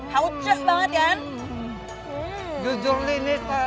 howce banget ya